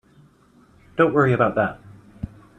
Don't worry about that.